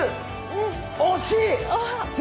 惜しい！